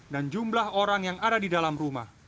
dan jumlah orang yang ada di dalam rumah